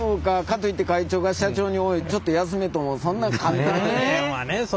かといって会長が社長に「おいちょっと休め」ともそんな簡単にね。